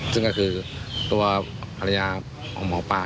ซึ่งก็คือตัวภรรยาของหมอปลา